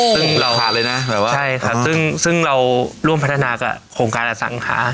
ซึ่งเราขาดเลยนะแบบว่าใช่ค่ะซึ่งเราร่วมพัฒนากับโครงการอสังหา